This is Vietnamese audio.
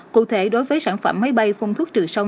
cụ thể đối với sản phẩm máy bay phun thuốc